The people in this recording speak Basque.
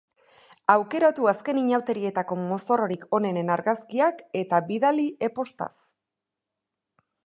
Aukeratu azken inauterietako mozorrorik onenen argazkiak eta bidali e-postaz.